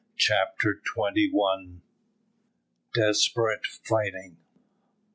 CHAPTER TWENTY ONE. DESPERATE FIGHTING.